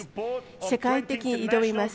世界的に挑みます。